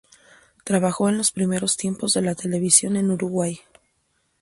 Trabajó en los primeros tiempos de la televisión en Uruguay.